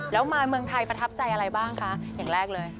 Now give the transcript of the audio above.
แล้วมาเมืองไทยประทับใจอะไรบ้างคะอย่างแรกเลย